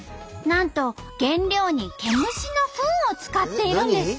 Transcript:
なんと原料にケムシのフンを使っているんです。